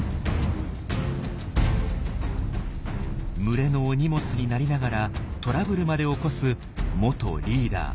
群れのお荷物になりながらトラブルまで起こす元リーダー。